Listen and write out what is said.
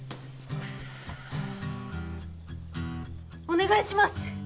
お願いします